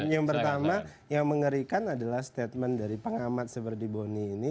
yang pertama yang mengerikan adalah statement dari pengamat seperti boni ini